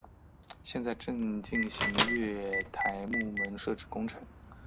现在正进行月台幕门设置工程。